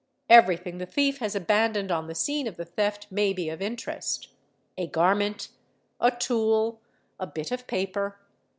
everything the thief has abandoned on the scene of the theft may be of interest: a garment, a tool, a bit of paper.